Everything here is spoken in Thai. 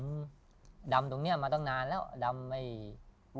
อุตส่างเกิดมาตั้งนานแล้ววางสายเค้เบิ้ล